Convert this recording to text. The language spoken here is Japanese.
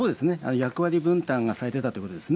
役割分担がされてたということですね。